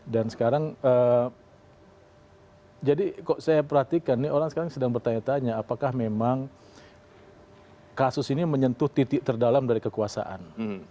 dan sekarang jadi saya perhatikan nih orang sekarang sedang bertanya tanya apakah memang kasus ini menyentuh titik terdalam dari kekuasaan